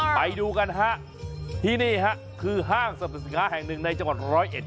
ไปดูกันฮะที่นี่ฮะคือห้างสรรพสินค้าแห่งหนึ่งในจังหวัดร้อยเอ็ด